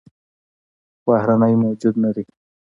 بهرنى موجود نه دى